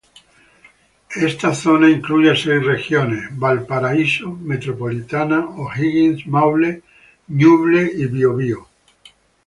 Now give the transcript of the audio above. Esta zona incluye seis regiones: Valparaíso, Metropolitana, O'Higgins, Maule, Ñuble y Biobío.